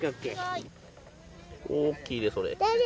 大きいね、それ。